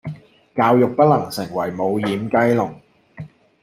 教育不能成為無掩雞籠